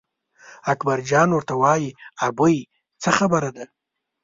اکبرجان ورته وایي ابۍ څه خبره به وي.